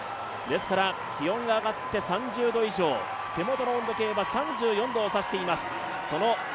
ですから気温が上がって３０度以上、手元の温度計は３４度を指しています。